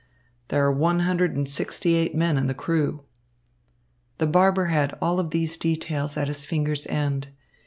There are one hundred and sixty eight men in the crew." The barber had all these details at his fingers' ends.